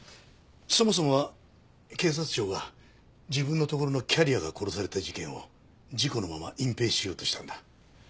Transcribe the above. そもそもは警察庁が自分のところのキャリアが殺された事件を事故のまま隠蔽しようとしたんだ。